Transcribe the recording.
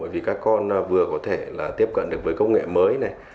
vì các con vừa có thể là tiếp cận được với công nghệ mới này